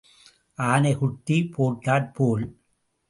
ஆனை குட்டி போட்டாற் போல்.